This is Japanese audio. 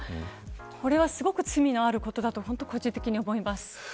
これはすごく罪のあることだと個人的に思います。